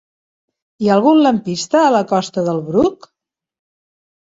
Hi ha algun lampista a la costa del Bruc?